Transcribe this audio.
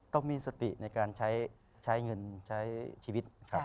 ต้องมีสติในการใช้เงินใช้ชีวิต